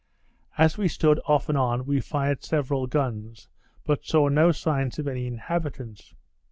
As we stood off and on, we fired several guns, but saw no signs of any inhabitants.